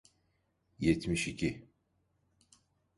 Yetmiş iki.